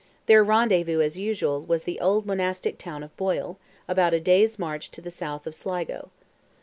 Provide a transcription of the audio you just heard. Their rendezvous, as usual, was the old monastic town of Boyle, about a day's march to the south of Sligo.